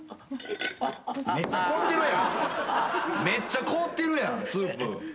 めっちゃ凍ってるやん。